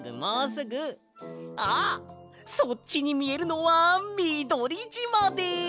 そっちにみえるのはみどりじまです！